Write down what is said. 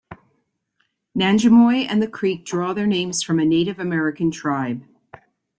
Nanjemoy and the creek draw their names from a Native American tribe.